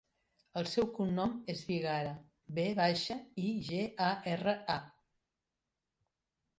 El seu cognom és Vigara: ve baixa, i, ge, a, erra, a.